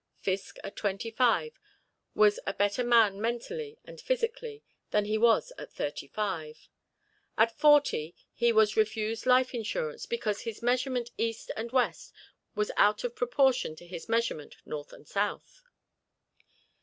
Fiske at twenty five was a better man mentally and physically than he was at thirty five. At forty he was refused life insurance because his measurement east and west was out of proportion to his measurement north and south.